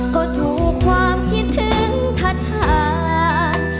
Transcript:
ก็ถูกความคิดถึงทัศน